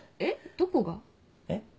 どこが？えっ？